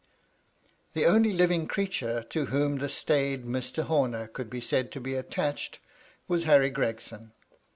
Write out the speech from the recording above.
The only living creature to whom the staid Mr. Homer could be said to be attached, was Harry Gregson.